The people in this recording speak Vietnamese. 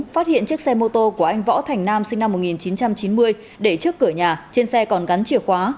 phát hiện chiếc xe mô tô của anh võ thành nam sinh năm một nghìn chín trăm chín mươi để trước cửa nhà trên xe còn gắn chìa khóa